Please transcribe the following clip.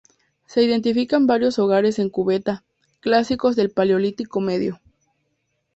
Se identifican varios hogares en cubeta, clásicos del Paleolítico Medio.